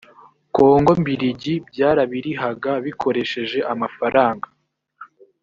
kongo mbirigi byarabirihaga bikoresheje amafaranga